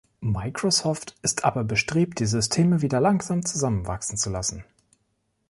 Microsoft ist aber bestrebt, die Systeme wieder langsam zusammen wachsen zu lassen.